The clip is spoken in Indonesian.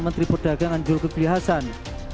menteri perdagangan juru kepilih hasan